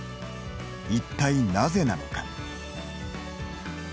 一体なぜなのか。